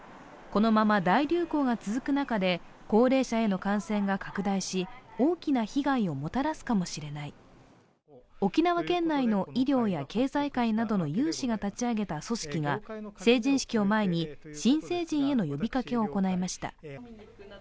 このまま大流行が続く中で高齢者への感染が拡大し、大きな被害をもたらすかもしれない、沖縄県内の医療や経済界などの有志が立ち上げた組織が成人式を前に新成人への呼びかけを行いました。